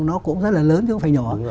nó cũng rất là lớn chứ không phải nhỏ